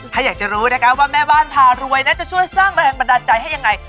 ถ้าอยากจะรู้นะคะว่าแม่บ้านพารวยน่าจะช่วยสร้างแรงบันดาลใจให้ยังไง